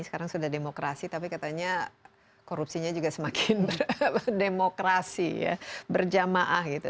sekarang sudah demokrasi tapi katanya korupsinya juga semakin demokrasi berjamaah